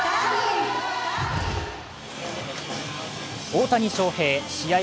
大谷翔平、試合